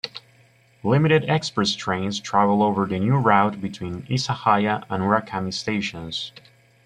Limited express trains travel over the new route between Isahaya and Urakami stations.